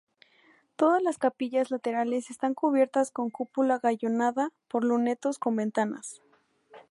Todas las capillas laterales están cubiertas con cúpula gallonada por lunetos con ventanas.